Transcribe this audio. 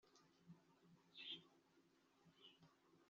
Mama ashimangira ko nkwiye kurya imboga nyinshi